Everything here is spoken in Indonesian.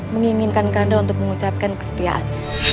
menginginkan kanda untuk mengucapkan kesetiaan